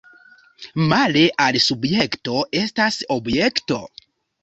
Male al subjekto estas objekto.